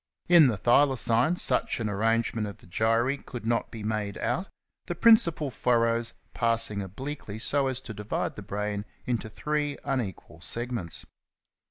In the Thylacine such an arrangement of the gyri could not be made out, the principal furrows passing obliquely so as to divide the brain into three unequal segments.